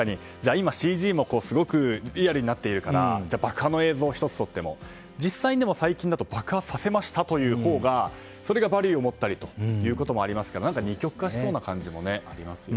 今、ＣＧもリアルになっているので爆破の映像１つとっても実際だと爆破させましたというほうがそれがバリューを持ったりということもありますが二極化しそうな感じもありますね。